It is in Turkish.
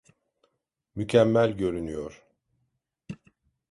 Mükemmel görünüyor.